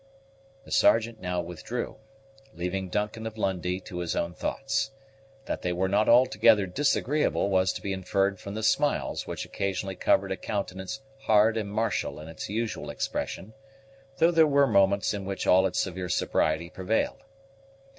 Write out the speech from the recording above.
The Sergeant now withdrew, leaving Duncan of Lundie to his own thoughts: that they were not altogether disagreeable was to be inferred from the smiles which occasionally covered a countenance hard and martial in its usual expression, though there were moments in which all its severe sobriety prevailed.